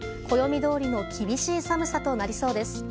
暦どおりの厳しい寒さとなりそうです。